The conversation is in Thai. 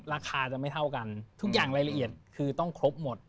ราคาจะไม่เท่ากันทุกอย่างรายละเอียดคือต้องครบหมด